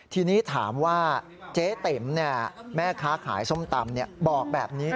ทีนี้ถามว่าเจ๊เต๋มแม่ค้าขายส้มตำบอกแบบนี้